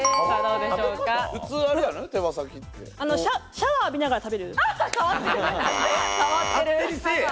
シャワー浴びながら食べる。